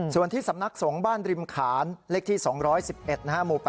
ส่วนที่สำนักสงฆ์บ้านริมขานเลขที่๒๑๑หมู่๘